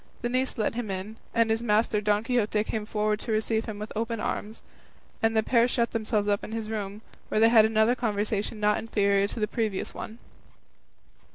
The niece let him in, and his master Don Quixote came forward to receive him with open arms, and the pair shut themselves up in his room, where they had another conversation not inferior to the previous one.